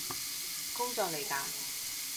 工作嚟嘎？